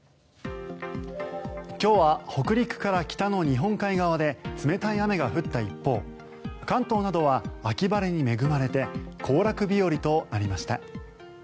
今日は北陸から北の日本海側で冷たい雨が降った一方関東などは秋晴れに恵まれて行楽日和となりました。